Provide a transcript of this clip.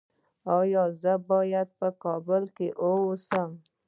ایا زه باید په کابل کې اوسم؟